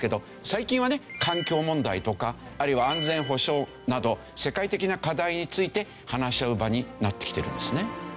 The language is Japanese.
最近はね環境問題とかあるいは安全保障など世界的な課題について話し合う場になってきているんですね。